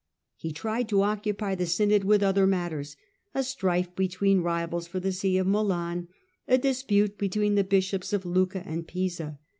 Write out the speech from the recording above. He tried to occupy the synod with other matters — a strife between rivals for the see of Milan, a dispute between the bishops of Tiiicca and Pisa.